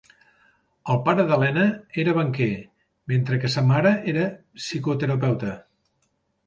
El pare d'Helena era banquer, mentre que sa mare era psicoterapeuta.